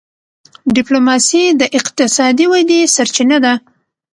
ډيپلوماسي د اقتصادي ودي سرچینه ده.